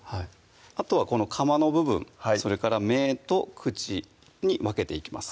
あとはこのかまの部分それから目と口に分けていきます